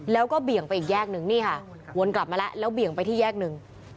แล้วก็เบี่ยงไปอีกแยกนึงนี่ค่ะวนกลับมาแล้วแล้วเบี่ยงไปที่แยกหนึ่ง